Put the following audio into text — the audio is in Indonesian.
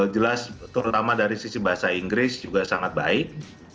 jelas terutama dari sisi bahasa inggris juga sangat baik